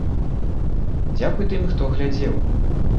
Дзякуй тым, хто глядзеў.